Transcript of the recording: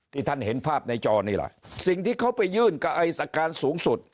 ที่ท่านเห็นภาพในจอนี่แหละสิ่งที่เขาไปยื่นกับอายการสูงสุด